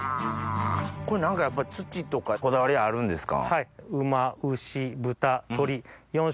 これ何かやっぱり土とかこだわりあるんですか？